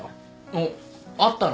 おっ会ったの？